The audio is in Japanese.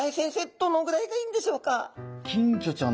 どのぐらいがいいんでしょうか？